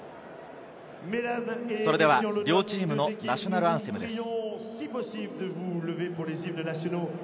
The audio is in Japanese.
それでは両チームのナショナルアンセムです。